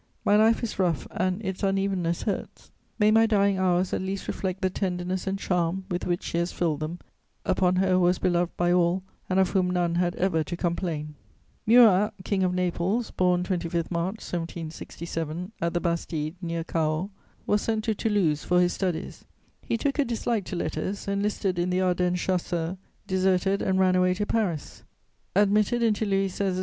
My life is rough and its unevenness hurts. May my dying hours at least reflect the tenderness and charm with which she has filled them upon her who was beloved by all and of whom none had ever to complain! [Sidenote: Murat, King of Naples.] Murat, King of Naples, born 25 March 1767, at the Bastide, near Cahors, was sent to Toulouse for his studies. He took a dislike to letters, enlisted in the Ardennes Chasseurs, deserted, and ran away to Paris. Admitted into Louis XVI.'